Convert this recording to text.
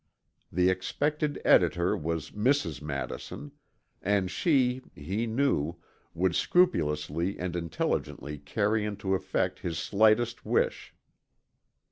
The expected editor was Mrs. Madison; and she, he knew, would scrupulously and intelligently carry into effect his slightest wish.